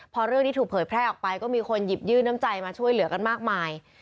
พอเรื่องนี้ถูกเผยแพร่ออกไปก็มีคนหยิบยื่นน้ำใจมาช่วยเหลือกันมากมาย